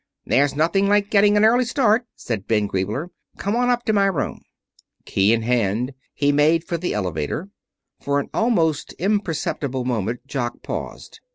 "There's nothing like getting an early start," said Ben Griebler. "Come on up to my room." Key in hand, he made for the elevator. For an almost imperceptible moment Jock paused.